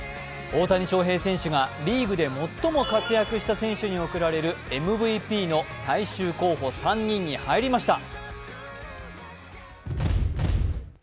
大谷翔平選手がリーグで最も活躍した選手に贈られるＭＶＰの最終候補３人に入りました。